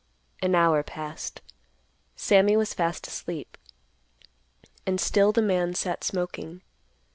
An hour passed. Sammy was fast asleep. And still the man sat smoking.